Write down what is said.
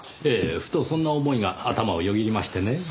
ええふとそんな思いが頭をよぎりましてね。